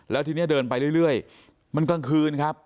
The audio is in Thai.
แล้วทีนี้เดินไปเรื่อยมันกลางคืนครับ